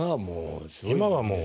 今はもう。